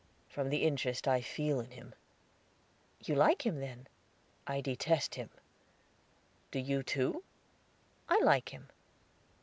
"From the interest I feel in him." "You like him, then?" "I detest him; do you too?" "I like him."